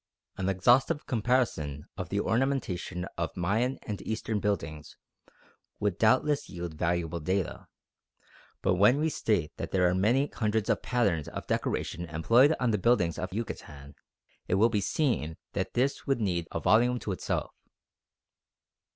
An exhaustive comparison of the ornamentation of Mayan and Eastern buildings would doubtless yield valuable data; but when we state that there are many hundreds of patterns of decoration employed on the buildings of Yucatan, it will be seen that this would need a volume to itself.